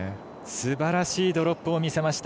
すばらしいドロップを見せました。